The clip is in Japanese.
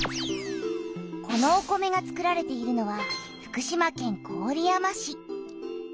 このお米がつくられているのは福島県郡山市。